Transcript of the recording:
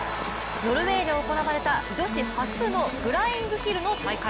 ノルウェーで行われた女子初のフライングヒルの大会。